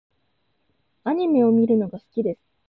アニメを見るのが好きです。